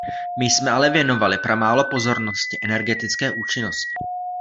My jsme ale věnovali pramálo pozornosti energetické účinnosti.